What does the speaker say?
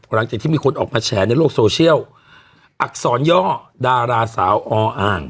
หลังจากที่มีคนออกมาแฉในโลกโซเชียลอักษรย่อดาราสาวออ่าง